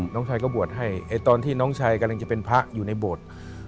น้องชายก็บวชให้ตอนที่น้องชายกำลังจะเป็นพระอยู่ในโบสถ์